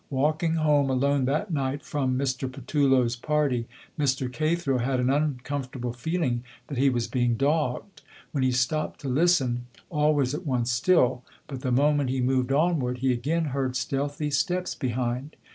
Walking home alone that night from Mr. Patullo's party, Mr. Cathro had an uncomfortable feeling that he was being dogged. When he stopped to listen, all was at once still, but the moment he moved onward he again heard stealthy steps behind.